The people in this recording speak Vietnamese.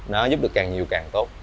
đó giúp được càng nhiều càng tốt